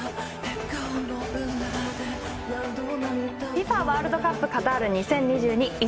ＦＩＦＡ ワールドカップカタール２０２２１